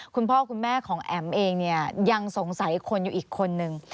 คุณพ่อคุณแม่ของแอ๋มเองเนี่ยยังสงสัยคนอยู่อีกคนนึง